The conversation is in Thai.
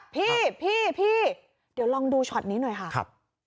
พี่พี่เดี๋ยวลองดูช็อตนี้หน่อยค่ะ